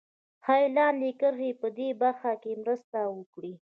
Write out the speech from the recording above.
ښایي لاندې کرښې په دې برخه کې مرسته وکړي